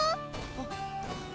あっ。